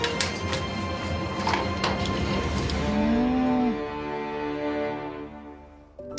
うん。